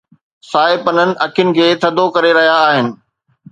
سائي پنن اکين کي ٿڌو ڪري رهيا آهن.